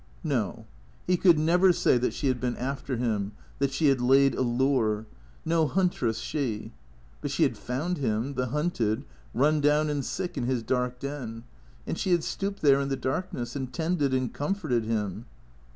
Ko. He could never say that she had been after him, that she had laid a lure. ISTo huntress she. But she had found him, the hunted, run down and sick in his dark den. And she had stooped there in the darkness, and tended and comforted him.